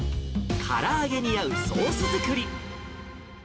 から揚げに合うソース作り。